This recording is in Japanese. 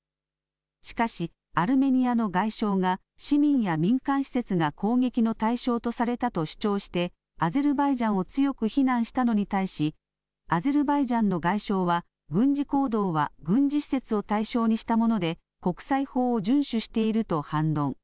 しかしアルメニアの外相が市民や民間施設が攻撃の対象とされたと主張してアゼルバイジャンを強く非難したのに対しアゼルバイジャンの外相は軍事行動は軍事施設を対象にしたもので国際法を順守していると反論。